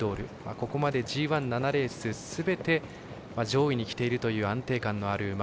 ここまでＧＩ７レースすべて上位にきているという安定感のある馬。